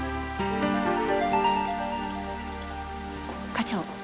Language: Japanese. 課長。